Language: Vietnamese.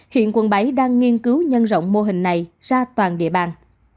hiện quận bảy đang nghiên cứu nhân rộng mô hình này ra toàn địa bàn